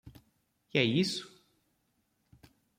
E é isso?